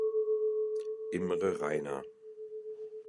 Imre Reiner.